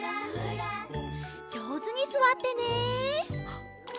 じょうずにすわってね！